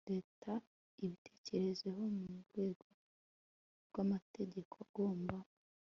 Leta ibitekerezo mu rwego rw amategeko agomba